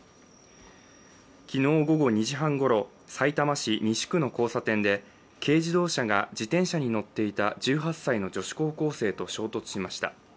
昨日午後２時半ごろ、さいたま市西区の交差点で軽自動車が自転車に乗っていた１８歳の女子高校生と衝突しました。